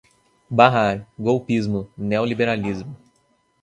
barrar, golpismo, neoliberalismo